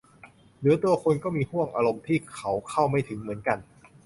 หรือตัวคุณก็มีห้วงอารมณ์ที่เขาเข้าไม่ถึงเหมือนกัน